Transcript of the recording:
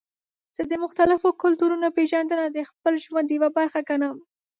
زه د مختلفو کلتورونو پیژندنه د خپل ژوند یوه برخه ګڼم.